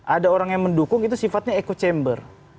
ada orang yang mendukung itu sifatnya echo chamber